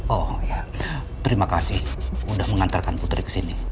oh iya terima kasih udah mengantarkan putri kesini